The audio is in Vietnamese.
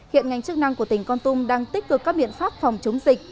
hiện ngành chức năng của tỉnh con tum đang tích cực các biện pháp phòng chống dịch